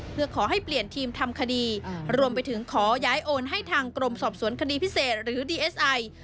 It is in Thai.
เพื่อขอให้เปลี่ยนทีมทำคดีรวมไปถึงขอย้ายโอนให้ทางกรมสอบสวนคดีพิเศษหรือดีเอสไอ